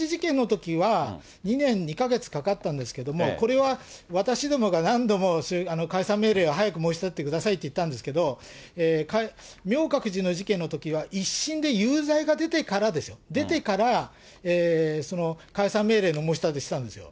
ただみょうかく寺事件のときは、２年２か月かかったんですけれども、これは私どもが何度も解散命令を早く申し立ててくださいって言ったんですけど、みょうかく寺の事件のときは１審で有罪が出てからですよ、出てから、解散命令の申し立てしたんですよ。